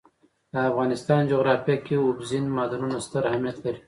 د افغانستان جغرافیه کې اوبزین معدنونه ستر اهمیت لري.